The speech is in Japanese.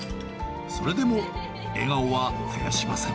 それでも笑顔は絶やしません。